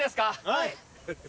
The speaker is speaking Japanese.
はい！